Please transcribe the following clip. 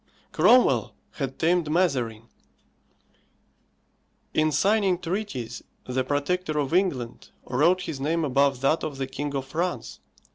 Cromwell had tamed Mazarin; in signing treaties the Protector of England wrote his name above that of the King of France.